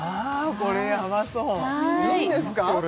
これヤバそういいんですか？